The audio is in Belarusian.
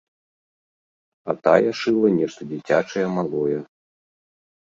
А тая шыла нешта дзіцячае, малое.